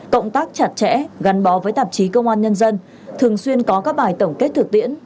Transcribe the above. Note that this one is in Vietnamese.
cộng tác chặt chẽ gắn bó với tạp chí công an nhân dân thường xuyên có các bài tổng kết thực tiễn